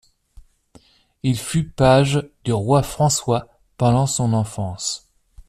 Il fut page du roi François pendant son enfance.